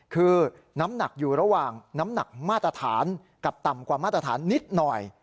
คือน้ำหนักอยู่ระหว่างน้ำหนักมาตรฐานกับต่ำกว่ามาตรฐานนิดหน่อย